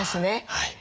はい。